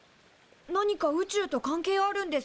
何か宇宙と関係あるんですか？